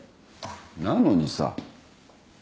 なのにさ。